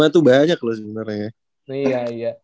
empat lima tuh banyak loh sebenernya